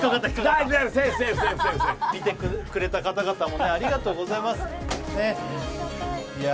見てくれた方々もありがとうございます。